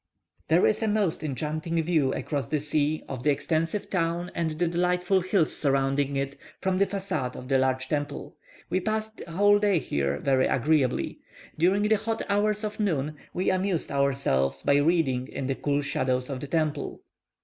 There is a most enchanting view across the sea of the extensive town, and the delightful hills surrounding it, from the facade of the large temple. We passed a whole day here very agreeably. During the hot hours of noon, we amused ourselves by reading in the cool shadows of the temple.